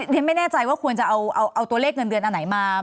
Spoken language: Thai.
ฉันไม่แน่ใจว่าควรจะเอาตัวเลขเงินเดือนอันไหนมา